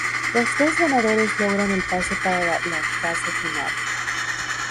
Los tres ganadores logran el pase para la fase final.